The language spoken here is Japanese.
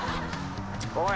おい！